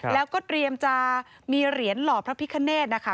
แล้วก็เตรียมจะมีเหรียญหล่อพระพิคเนธนะคะ